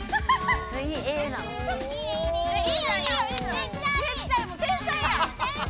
めっちゃいいもう天才やん！